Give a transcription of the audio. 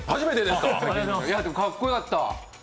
かっこよかった。